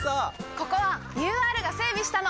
ここはＵＲが整備したの！